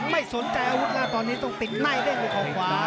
ไม่สนใจอาวุธนะตอนนี้ต้องติ๊กในกับขวา